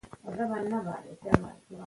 پوهه لرونکې مور ماشوم واکسین ته بیايي.